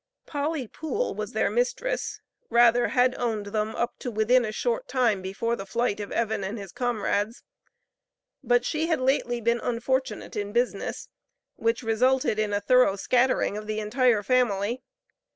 Polly Pool was their mistress, rather had owned them up to within a short time before the flight of Evan and his comrades, but she had lately been unfortunate in business, which resulted in a thorough scattering of the entire family.